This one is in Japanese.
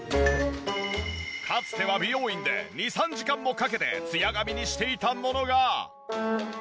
かつては美容院で２３時間もかけてツヤ髪にしていたものが。